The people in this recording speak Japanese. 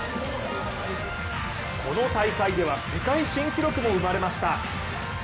この大会では世界新記録も生まれました。